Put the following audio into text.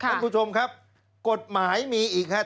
ท่านผู้ชมครับกฎหมายมีอีกครับ